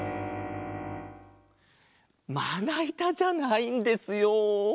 まないたじゃないんですよ。